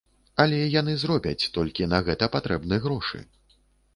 Але яны зробяць, толькі на гэта патрэбны грошы.